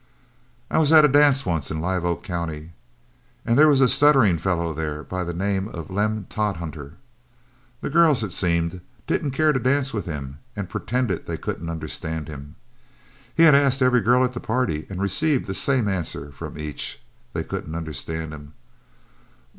"I was at a dance once in Live Oak County, and there was a stuttering fellow there by the name of Lem Todhunter. The girls, it seems, didn't care to dance with him, and pretended they couldn't understand him. He had asked every girl at the party, and received the same answer from each they couldn't understand him.